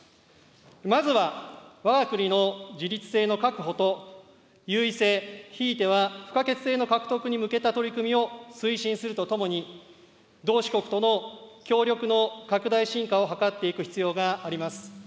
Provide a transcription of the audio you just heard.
まずはわが国の自律性の確保と優位性、ひいては不可欠性の獲得に向けた取り組みを推進するとともに、同志国との協力の拡大深化を図っていく必要があります。